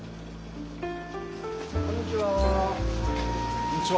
こんにちは。